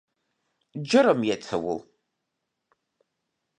جرم یې څه و؟